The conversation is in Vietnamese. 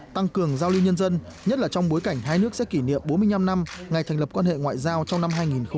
tăng cường giao lưu nhân dân nhất là trong bối cảnh hai nước sẽ kỷ niệm bốn mươi năm năm ngày thành lập quan hệ ngoại giao trong năm hai nghìn hai mươi